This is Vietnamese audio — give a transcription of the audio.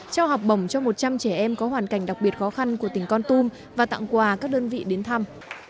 trao học bổng cho một trăm linh trẻ em có hoàn cảnh đặc biệt khó khăn của tỉnh con tum và tặng quà các đơn vị đến thăm